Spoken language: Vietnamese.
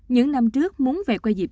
những năm trước muốn về quê dịp